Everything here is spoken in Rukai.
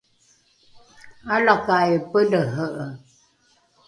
’alakai pelehe’e